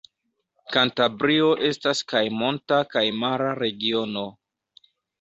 Kantabrio estas kaj monta kaj mara regiono.